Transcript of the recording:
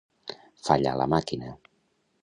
Fallar la màquina.